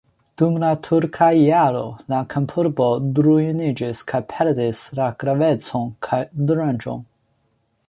Dum la turka erao la kampurbo ruiniĝis kaj perdis la gravecon kaj rangon.